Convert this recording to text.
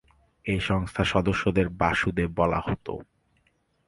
এই সংস্থার সদস্যদের বাসুদেব বলা হত।